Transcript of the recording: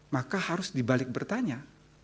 maka harus dibalik bertanya